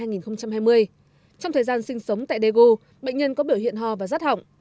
trong thời gian sinh sống tại daegu bệnh nhân có biểu hiện ho và rắt hỏng